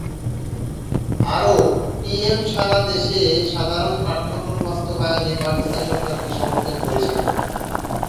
আরও, টিএম সারা দেশে সাধারণ পাঠ্যক্রম বাস্তবায়নে পাকিস্তান সরকারকে সমর্থন করেছিল।